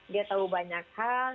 dia tahu banyak hal